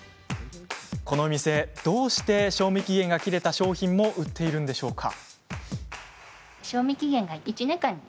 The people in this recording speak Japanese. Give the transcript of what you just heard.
このお店、どうして賞味期限が切れた商品も売っているんでしょうか？